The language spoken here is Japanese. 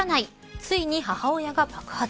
ついに母親が爆発。